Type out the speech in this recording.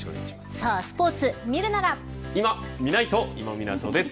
スポーツ見るなら今見ないと、今湊です。